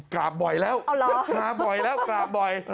กราบบ่อยแล้วมาบ่อยแล้วกราบบ่อย